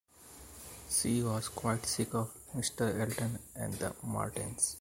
She was quite sick of Mr Elton and the Martins.